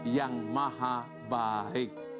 yang maha baik